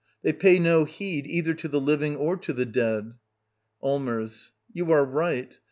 They pay no heed y'^ — either to the living or to the dead. Allmers. You are right.